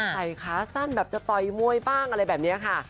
ขาสั้นแบบจะต่อยมวยบ้างอะไรแบบนี้ค่ะ